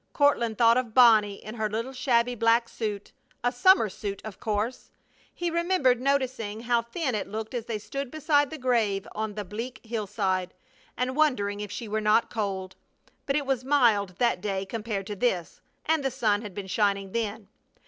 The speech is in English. Courtland thought of Bonnie in her little shabby black suit a summer suit, of course. He remembered noticing how thin it looked as they stood beside the grave on the bleak hillside, and wondering if she were not cold. But it was mild that day compared to this, and the sun had been shining then.